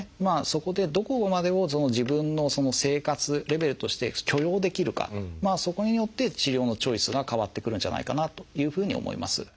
そこでどこまでを自分の生活レベルとして許容できるかそこによって治療のチョイスが変わってくるんじゃないかなというふうに思います。